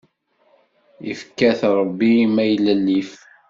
Ifka-t Ṛebbi i maylellif.